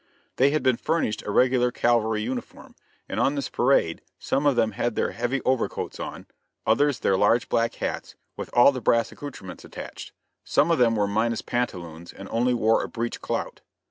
They had been furnished a regular cavalry uniform and on this parade some of them had their heavy overcoats on, others their large black hats, with all the brass accoutrements attached; some of them were minus pantaloons and only wore a breech clout.